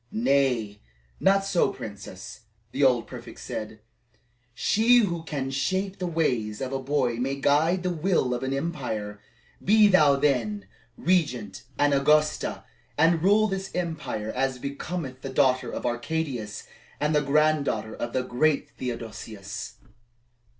"Nay, not so, Princess," the old prefect said. "She who can shape the ways of a boy may guide the will of an empire. Be thou, then, Regent and Augusta, and rule this empire as becometh the daughter of Arcadius and the granddaughter of the great Theodosius."